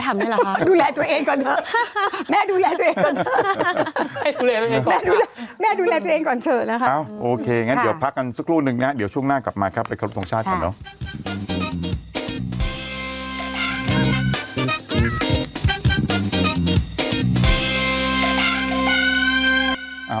แม่ดูแลตัวเองก่อนเถอะ